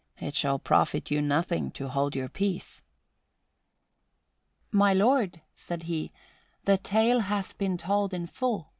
It shall profit you nothing to hold your peace." "My lord," said he, "the tale hath been told in full.